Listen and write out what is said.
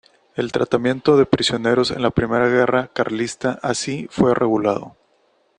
El tratamiento de prisioneros en la Primera Guerra Carlista así fue regulado.